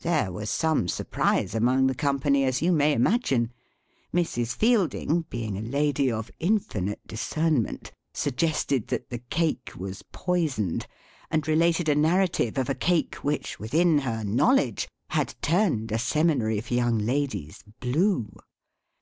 There was some surprise among the company, as you may imagine. Mrs. Fielding, being a lady of infinite discernment, suggested that the cake was poisoned; and related a narrative of a cake, which, within her knowledge, had turned a seminary for young ladies, blue.